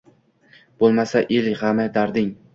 Bo’lmasa el g’ami — darding